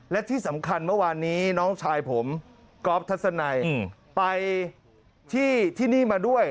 และที่สำคัญเมื่อวานนี้น้องชายผมก๊อฟทัศนัยไปที่นี่มาด้วย